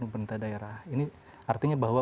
pemerintah daerah ini artinya bahwa